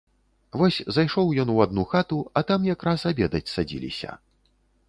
Вось зайшоў ён у адну хату, а там якраз абедаць садзіліся.